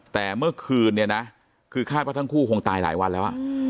แต่เมื่อคืนเนี่ยนะคือคาดว่าทั้งคู่คงตายหลายวันแล้ว